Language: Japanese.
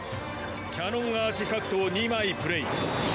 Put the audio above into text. キャノンアーティファクトを２枚プレイ。